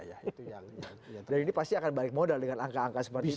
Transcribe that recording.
dan ini pasti akan balik modal dengan angka angka seperti itu ya